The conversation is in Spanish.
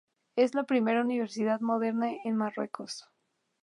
Es la primera universidad moderna en Marruecos.